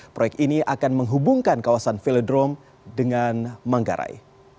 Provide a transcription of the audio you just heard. proyek ini akan menghubungkan kawasan velodrome dengan manggarai